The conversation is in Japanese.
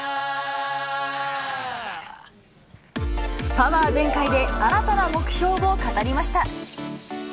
パワー全開で新たな目標を語りました。